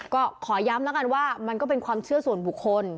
ก็ขอย้ำแล้วกันว่ามันก็เป็นความเชื่อส่วนบุคคล